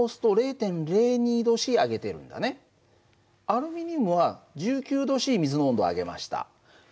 アルミニウムは１９℃水の温度を上げました。